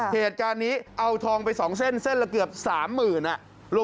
เหตุการณ์นี้เอาทองไป๒เส้นเส้นละเกือบ๓๐๐๐บาท